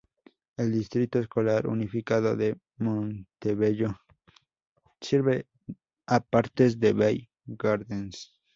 El Distrito Escolar Unificado de Montebello sirve a partes de Bell Gardens.